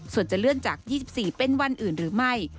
ส่วนจะเลื่อนจาก๒๔เป็นวันอื่นหรือไม่